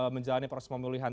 menjalani proses pemulihan